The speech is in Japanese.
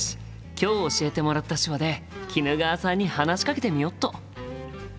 今日教えてもらった手話で衣川さんに話しかけてみよっと！